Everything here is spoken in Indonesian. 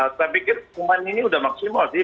saya pikir pemain ini sudah maksimal sih